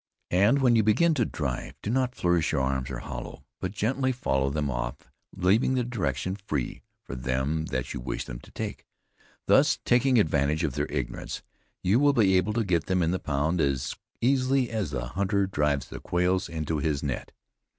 And when you begin to drive, do not flourish your arms or hollow, but gently follow them off leaving the direction free for them that you wish them to take. Thus taking advantage of their ignorance, you will be able to get them in the pound as easily as the hunter drives the quails into his net.